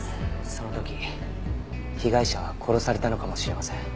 その時被害者は殺されたのかもしれません。